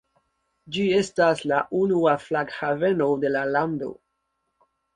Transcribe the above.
Ĝi estas la unua flughaveno de la lando.